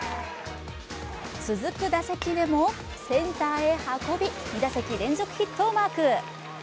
続く打席でもセンターへ運び２打席連続ヒットをマーク。